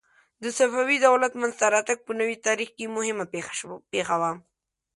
د صفوي دولت منځته راتګ په نوي تاریخ کې مهمه پېښه وه.